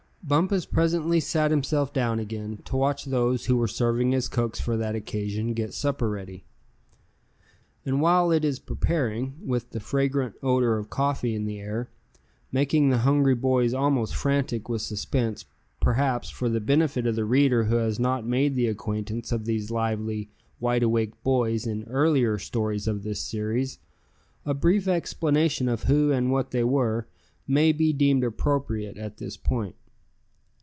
Bumpus presently sat himself down again, to watch those who were serving as cooks for that occasion, get supper ready. And while it is preparing, with the fragrant odor of coffee in the air, making the hungry boys almost frantic with suspense, perhaps, for the benefit of the reader who has not made the acquaintance of these lively, wide awake boys in earlier stories of this series, a brief explanation of who and what they were, may be deemed appropriate at this point.